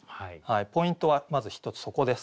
ポイントはまず１つそこです。